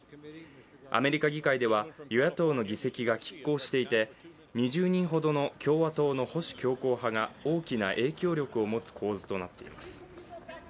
アメリカ議会では与野党の議席がきっ抗していて２０人ほどの共和党の保守強硬派が大きな影響力を持つ構図となっています。